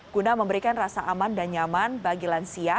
guna memberikan rasa aman dan nyaman bagi lansia